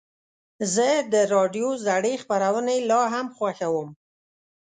زه د راډیو زړې خپرونې لا هم خوښوم.